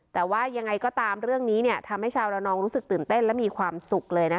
แต่ว่ายังไงก็ตามเรื่องนี้ทำให้ชาวระนองรู้สึกตื่นเต้นและมีความสุขเลยนะคะ